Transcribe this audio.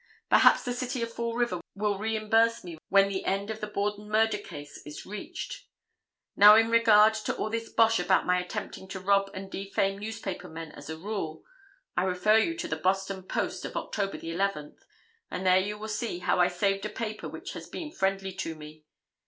Perhaps the City of Fall River will reimburse me when the end of the Borden murder case is reached. Now, in regard to all this bosh about my attempting to rob and defame newspaper men as a rule. I refer you to the Boston Post of October 11th, and there you will see how I saved a paper which has been friendly to me.